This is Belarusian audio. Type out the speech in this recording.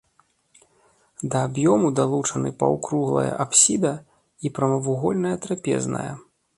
Да аб'ёму далучаны паўкруглая апсіда і прамавугольная трапезная.